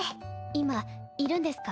今いるんですか？